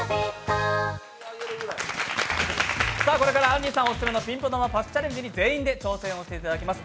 これからあんりさんオススメのピンポン玉パスチャレンジに挑戦していただきます。